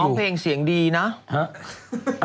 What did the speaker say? นางเรียกเสียงดีน๊ะ